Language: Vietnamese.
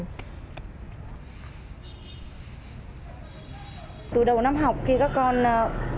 từ đầu năm học khi các con đến trường thì nhà trường đã phát động rất nhiều các hoạt động liên quan tới việc trồng và bảo vệ cây xanh